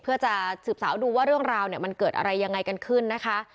เพื่อจะสืบสาวดูว่าเรื่องราวเนี่ยมันเกิดอะไรยังไงกันขึ้นนะคะ